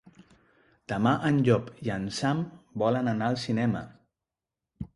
Demà en Llop i en Sam volen anar al cinema.